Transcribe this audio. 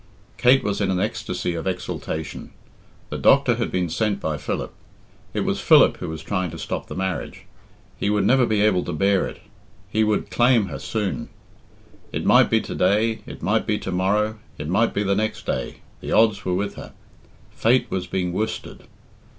Kate was in an ecstasy of exultation. The doctor had been sent by Philip. It was Philip who was trying to stop the marriage. He would never be able to bear it; he would claim her soon. It might be to day, it might be to morrow, it might be the next day. The odds were with her. Fate was being worsted.